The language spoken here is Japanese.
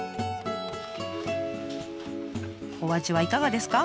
お味はいかがですか？